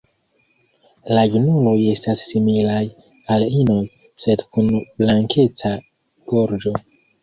La junuloj estas similaj al inoj, sed kun blankeca gorĝo.